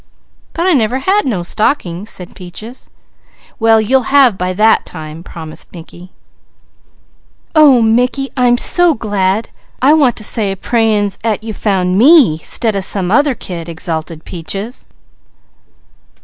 "But I never had no stockings," said Peaches. "Well you'll have by that time," promised Mickey. "Oh Mickey, I'm so glad I want to say a prayin's 'at you found me, 'stead of some other kid!" exulted Peaches.